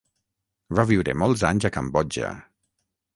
Va viure molts anys a Cambodja.